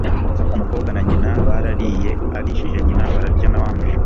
umukobwa na nyina barariye, arishije nyina bararya na wa muja